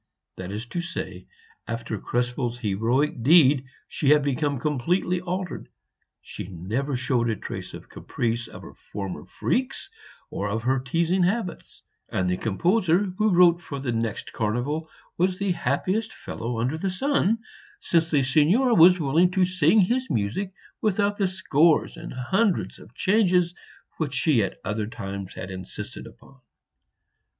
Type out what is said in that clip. That is to say, after Krespel's heroic deed she had become completely altered; she never showed a trace of caprice, of her former freaks, or of her teasing habits; and the composer who wrote for the next carnival was the happiest fellow under the sun, since the Signora was willing to sing his music without the scores and hundreds of changes which she at other times had insisted upon.